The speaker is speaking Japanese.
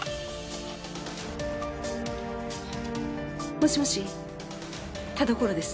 もしもし田所です。